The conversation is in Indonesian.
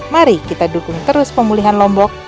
mari kita dukung terus pemulihan lombok